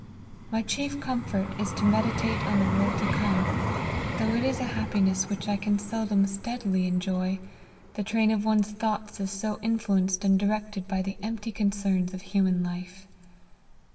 My chief comfort is to meditate on the world to come, though it is a happiness which I can seldom steadily enjoy, the train of one's thoughts is so influenced and directed by the empty concerns of human life.